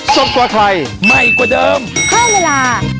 สวัสดีค่ะ